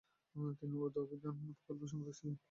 তিনি উর্দু অভিধান প্রকল্পেরও সম্পাদক ছিলেন।